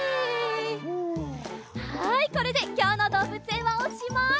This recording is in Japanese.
はいこれできょうのどうぶつえんはおしまい。